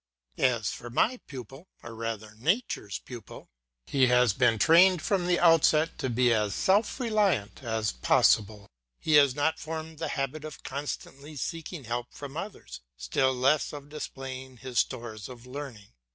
As for my pupil, or rather Nature's pupil, he has been trained from the outset to be as self reliant as possible, he has not formed the habit of constantly seeking help from others, still less of displaying his stores of learning.